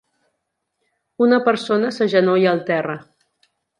Una persona s'agenolla al terra.